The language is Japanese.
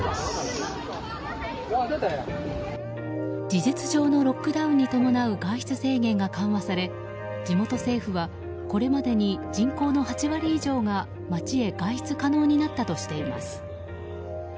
事実上のロックダウンに伴う外出制限が緩和され地元政府はこれまでに人口の８割以上が街へ外出可能になったとしています。